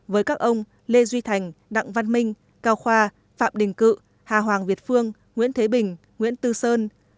với các ông lê duy thành đặng văn minh cao khoa phạm đình cự hà hoàng việt phương nguyễn thế bình nguyễn tư sơn